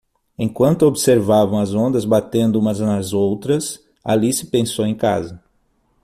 Enquanto observavam as ondas batendo umas nas outras, Alice pensou em casa.